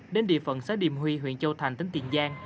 đến địa phận xã điểm huy huyện châu thành tỉnh tiền giang